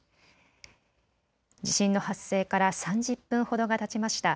地震の発生から３０分ほどがたちました。